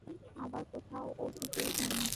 আবার কোথাও কিছুই হয়নি।